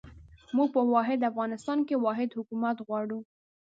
موږ په واحد افغانستان کې واحد حکومت غواړو.